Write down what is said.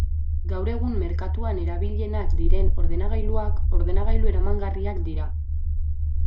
Gaur egun merkatuan erabilienak diren ordenagailuak, ordenagailu eramangarriak dira.